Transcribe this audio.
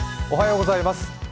おはようございます。